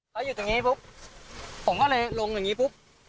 แล้วอยู่ตรงนี้ปุ๊บผมก็เลยลงอย่างนี้ปุ๊บ